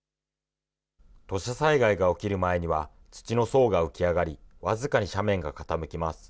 土砂災害が起きる前には、土の層が浮き上がり、僅かに斜面が傾きます。